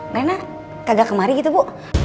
nana kagak kemari gitu bu